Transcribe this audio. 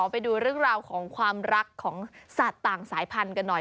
ไปดูเรื่องราวของความรักของสัตว์ต่างสายพันธุ์กันหน่อย